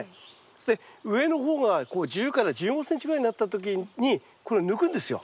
そして上の方が１０から１５ｃｍぐらいになった時にこれを抜くんですよ。